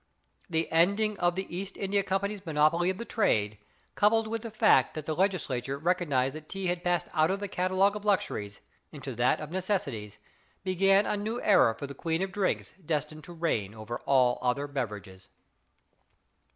The ending of the East India Company's monopoly of the trade, coupled with the fact that the legislature recognized that tea had passed out of the catalogue of luxuries into that of necessities, began a new era for the queen of drinks destined to reign over all other beverages.